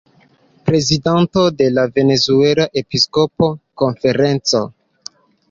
Prezidanto de la "Venezuela Episkopa Konferenco".